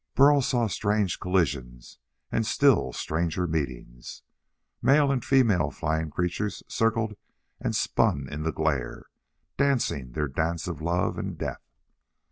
Burl saw strange collisions and still stranger meetings. Male and female flying creatures circled and spun in the glare, dancing their dance of love and death.